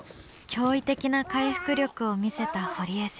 驚異的な回復力を見せた堀江選手。